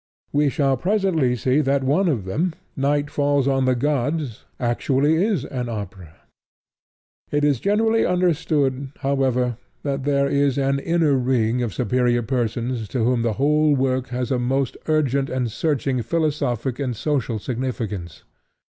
We shall presently see that one of them, Night Falls On The Gods, actually is an opera. It is generally understood, however, that there is an inner ring of superior persons to whom the whole work has a most urgent and searching philosophic and social significance.